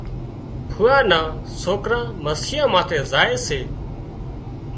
ڦوئا نا سوڪران مسيان ماٿي زائي سي